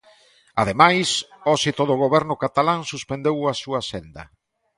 Ademais, hoxe todo o Goberno catalán suspendeu a súa axenda.